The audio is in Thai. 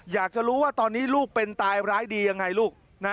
อยากจะรู้ว่าตอนนี้ลูกเป็นตายร้ายดียังไงลูกนะ